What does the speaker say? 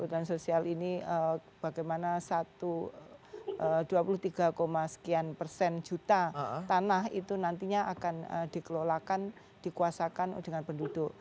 hutan sosial ini bagaimana satu dua puluh tiga sekian persen juta tanah itu nantinya akan dikelolakan dikuasakan dengan penduduk